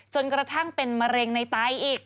จนกระทั่งเป็นมะเร็งในไตอีก